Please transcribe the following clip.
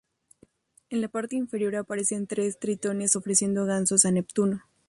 En la parte inferior aparecen tres tritones ofreciendo gansos a Neptuno.